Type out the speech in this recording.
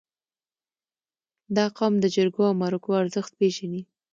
• دا قوم د جرګو او مرکو ارزښت پېژني.